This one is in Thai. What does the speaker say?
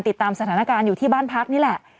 ติดตามสถานการณ์อยู่ที่บ้านพักนี่แหละ